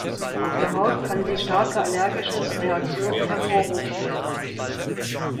Auf der Haut kann sie starke allergische Reaktionen hervorrufen.